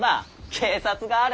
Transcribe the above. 警察がある。